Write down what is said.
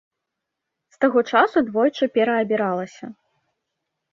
З таго часу двойчы пераабіралася.